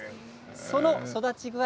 その育ち具合